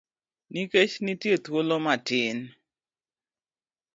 Nikech nitie thuolo matin.